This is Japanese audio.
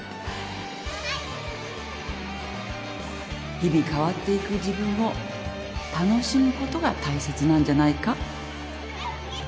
日々変わっていく自分を楽しむことが大切なんじゃないか？